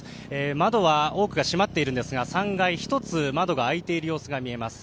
窓は多くは閉まっているんですが３階、１つ窓が開いている様子が見えます。